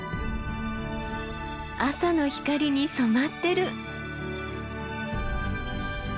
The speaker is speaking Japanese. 朝の光に染まってる！